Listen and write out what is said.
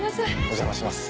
お邪魔します。